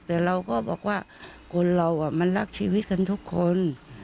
แต่เราก็บอกว่าคนเรามันรักชีวิตกันทุกคน